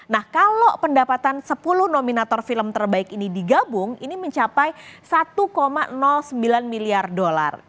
nah kalau pendapatan sepuluh nominator film terbaik ini digabung ini mencapai satu sembilan miliar dolar